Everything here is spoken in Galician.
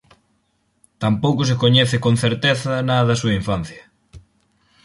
Tampouco se coñece con certeza nada da súa infancia.